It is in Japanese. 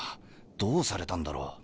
どうされたんだろう？